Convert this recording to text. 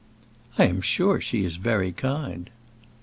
"I am sure she is very kind."